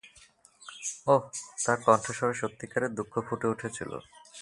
ওহ - তার কণ্ঠস্বরে সত্যিকারের দুঃখ ফুটে উঠেছিল।